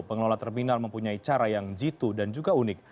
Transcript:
pengelola terminal mempunyai cara yang jitu dan juga unik